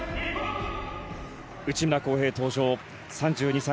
内村航平登場３２歳。